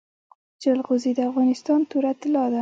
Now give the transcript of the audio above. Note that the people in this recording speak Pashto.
جلغوزي د افغانستان توره طلا ده